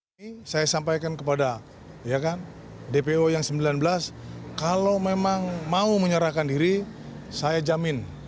ini saya sampaikan kepada dpo yang sembilan belas kalau memang mau menyerahkan diri saya jamin